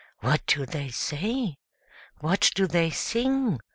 What do they say? What do they sing?